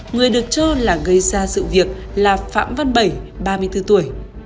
người được cho là gây ra sự việc là phạm văn bảy ba mươi bốn tuổi